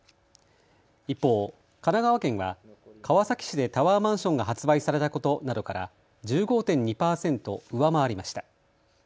一方、神奈川県は川崎市でタワーマンションが発売されたことなどから１５．２％上回りました。